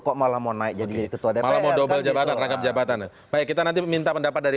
kok malah mau naik jadi ketua dpr